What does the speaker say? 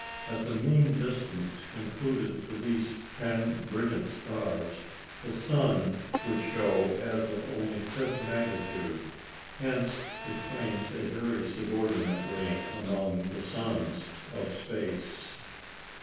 At the mean distance concluded for these ten brilliant stars, the sun would show as of only fifth magnitude; hence it claims a very subordinate rank among the suns of space.